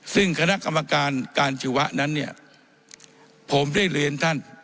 ซึ่งคณะกรรมการการชีวะนั้นเนี่ยผมได้เรียนท่าน